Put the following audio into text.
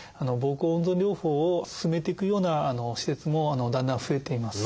膀胱温存療法を勧めていくような施設もだんだん増えています。